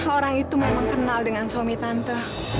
orang itu memang kenal dengan suami tante